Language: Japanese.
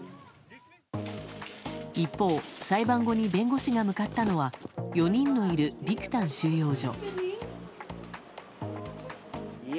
一方、裁判後に弁護士が向かったのは４人のいるビクタン収容所。